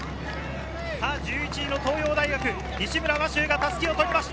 １１位の東洋大学・西村真周が襷を取りました！